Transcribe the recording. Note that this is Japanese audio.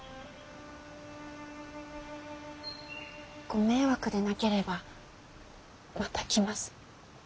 ご迷惑でなければまた来ます。